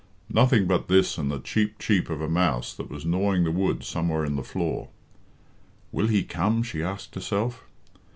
Nothing but this and the cheep cheep of a mouse that was gnawing the wood somewhere in the floor. "Will he come?" she asked herself.